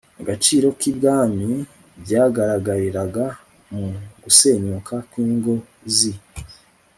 agaciro k ibwami byagaragariraga mu gusenyuka kw ingo z i